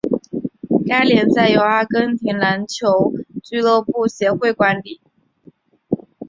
该联赛由阿根廷篮球俱乐部协会管理。